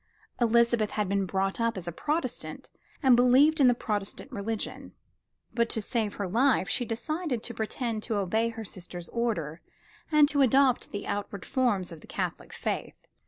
Elizabeth had been brought up as a Protestant and believed in the Protestant religion, but to save her life she decided to pretend to obey her sister's order and to adopt the outward forms of the Catholic faith.